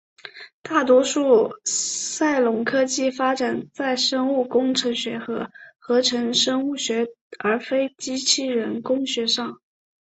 大多数的赛隆科技发展在生物工程学和合成生物学而非机器人工学上。